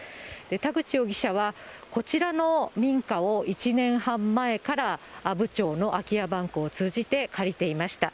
田口容疑者は、こちらの民家を、１年半前から阿武町の空き家バンクを通じて借りていました。